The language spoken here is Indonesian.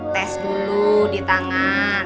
tes dulu di tangan